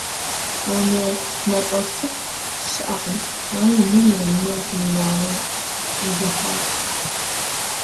АнэнэпӀэсыфӀ щыӀэкъым, ауэ мыр емынэр ди унагъуэм къизыхьат.